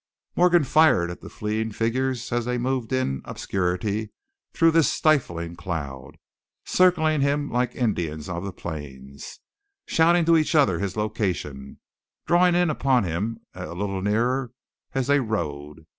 Morgan fired at the fleeting figures as they moved in obscurity through this stifling cloud, circling him like Indians of the plains, shouting to each other his location, drawing in upon him a little nearer as they rode.